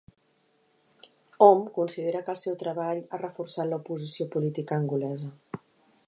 Hom considera que el seu treball ha reforçat l'oposició política angolesa.